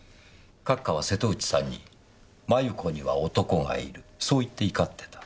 閣下は瀬戸内さんに「繭子には男がいる」そう言って怒ってた。